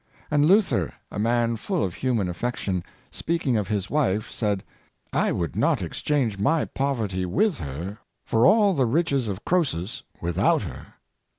" And Luther, a man full of human affection, speaking of his wife, said, " I would not exchange my poverty 'with her for all the riches of Croesus 'without her!